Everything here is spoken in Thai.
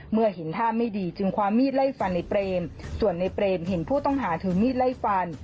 เมื่อเห็นท่าไม่ดีจึงความมีดไล่ฟันในเปรมส่วนในเปรมเห็นผู้ต้องหาถือมีดไล่ฟัน